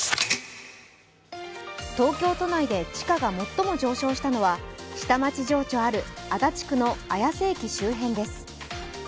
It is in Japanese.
東京都内で地価が最も上昇したのは下町情緒ある足立区の綾瀬駅周辺です。